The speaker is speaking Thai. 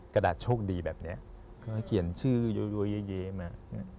กระดาษโชคดีแบบนี้ก็เขียนชื่อยัวเย้มา